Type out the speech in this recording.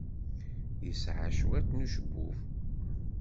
Yesɛa cwiṭ n ucebbub.